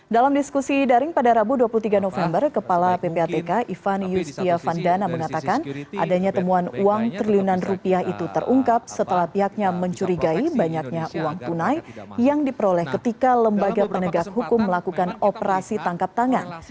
dalam diskusi daring pada rabu dua puluh tiga november kepala ppatk ivan yustiavandana mengatakan adanya temuan uang triliunan rupiah itu terungkap setelah pihaknya mencurigai banyaknya uang tunai yang diperoleh ketika lembaga penegak hukum melakukan operasi tangkap tangan